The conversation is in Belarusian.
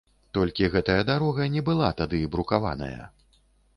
Толькі гэтая дарога не была тады брукаваная.